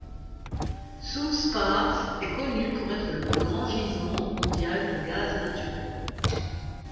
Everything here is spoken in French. South Pars est connu pour être le plus grand gisement mondial de gaz naturel.